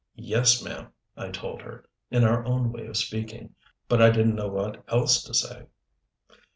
"Yes, ma'am," I told her in our own way of speaking. But I didn't know what else to say.